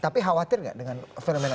tapi khawatir nggak dengan fenomenanya itu